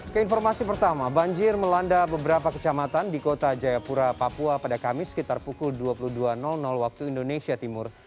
keinformasi pertama banjir melanda beberapa kecamatan di kota jayapura papua pada kamis sekitar pukul dua puluh dua waktu indonesia timur